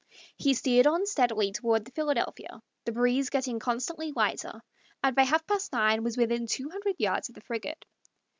He steered on steadily toward the Philadelphia, the breeze getting constantly lighter, and by half past nine was within two hundred yards of the frigate.